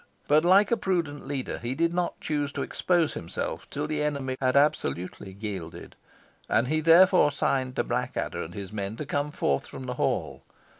But, like a prudent leader, he did not choose to expose himself till the enemy had absolutely yielded, and he therefore signed to Blackadder and his men to come forth from the hall.